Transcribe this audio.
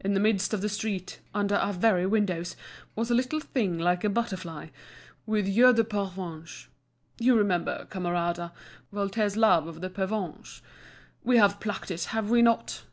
In the midst of the street, under our very window, was a little thing like a butterfly, with yeux de pervenche. You remember, Camarada, Voltaire's love of the pervenche; we have plucked it, have we not?